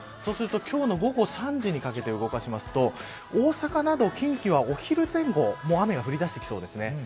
そうすると今日の午後３時にかけて動かすと大阪など、近畿はお昼前後もう雨が降りだしてきそうです。